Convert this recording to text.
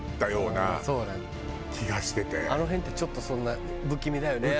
あの辺ってちょっとそんな不気味だよね